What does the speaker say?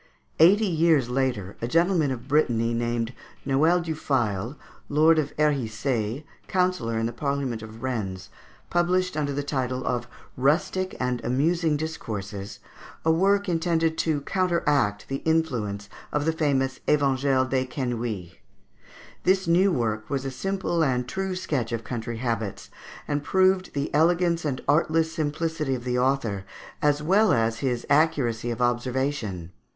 Eighty years later a gentleman of Brittany, named Noel du Fail, Lord of Herissaye, councillor in the Parliament of Rennes, published, under the title of "Rustic and Amusing Discourses," a work intended to counteract the influence of the famous "Evangile des Quenouilles." This new work was a simple and true sketch of country habits, and proved the elegance and artless simplicity of the author, as well as his accuracy of observation.